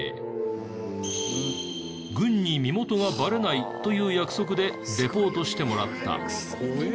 軍に身元がバレないという約束でリポートしてもらった。